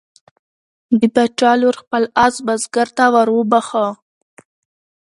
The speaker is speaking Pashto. د باچا لور خپل آس بزګر ته وروبخښه.